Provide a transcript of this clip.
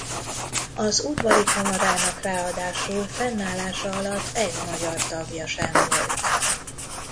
Az Udvari Kamarának ráadásul fennállása alatt egy magyar tagja sem volt.